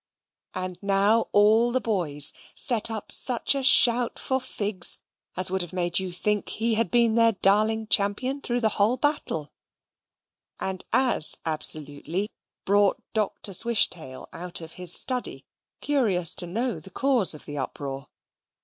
And now all the boys set up such a shout for Figs as would have made you think he had been their darling champion through the whole battle; and as absolutely brought Dr. Swishtail out of his study, curious to know the cause of the uproar.